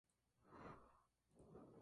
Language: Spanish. Es originaria de la Australia.